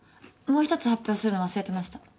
もう一つ発表するの忘れてました。